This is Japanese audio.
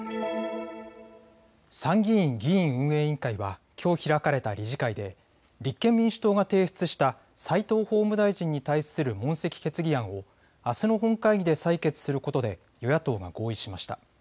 参議院議院運営委員会はきょう開かれた理事会で立憲民主党が提出した齋藤法務大臣に対する問責決議案をあすの本会議で採決することで与野党が合意しました。